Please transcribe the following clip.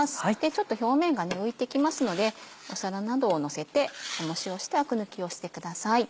ちょっと表面が浮いてきますので皿などをのせて重しをしてアク抜きをしてください。